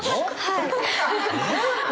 はい。